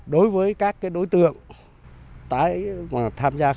đối với các đối tượng